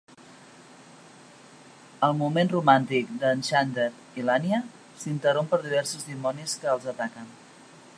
El moment romàntic del Xander i l'Anya s'interromp per diversos dimonis que els ataquen.